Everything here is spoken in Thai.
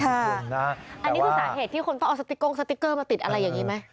อันนี้คือสาเหตุที่คนต้องเอาสติ๊กโก้งสติ๊กเกอร์มาติดอะไรอย่างนี้ไหม